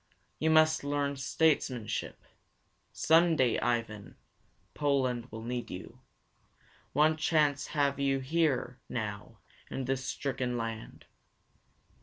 You must learn statesmanship. Some day, Ivan, Poland will need you. What chance have you here now in this stricken land?